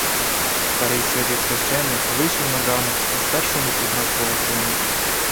Старий сивий священик вийшов на ґанок і спершу не впізнав свого сина.